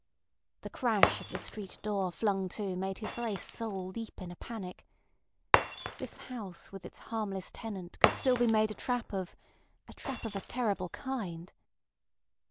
The crash of the street door flung to made his very soul leap in a panic. This house with its harmless tenant could still be made a trap of—a trap of a terrible kind.